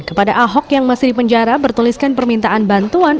kepada ahok yang masih di penjara bertuliskan permintaan bantuan